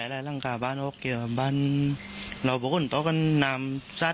ก็เลยใส่ถ้าเป็นเหมือนหลานนะครับ